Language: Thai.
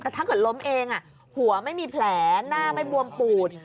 แต่ถ้าเกิดล้มเองหัวไม่มีแผลหน้าไม่บวมปูด